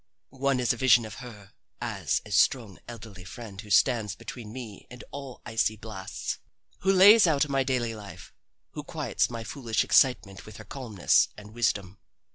One is a vision of her as a strong elderly friend who stands between me and all icy blasts, who lays out my daily life, who quiets my foolish excitement with her calmness and wisdom.